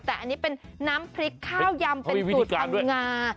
แต่อันนี้เป็นน้ำพริกข้าวยำเป็นสูตรพังงา